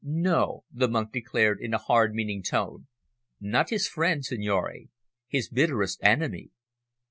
"No," the monk declared in a hard, meaning tone, "not his friend, signore his bitterest enemy."